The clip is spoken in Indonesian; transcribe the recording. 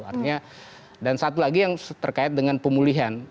artinya dan satu lagi yang terkait dengan pemulihan